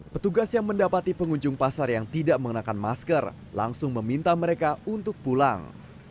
petugas yang mendapati pengunjung pasar yang tidak mengenakan masker langsung meminta mereka untuk pulang